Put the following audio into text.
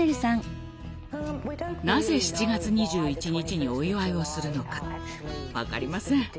なぜ７月２１日にお祝いをするのか分かりません。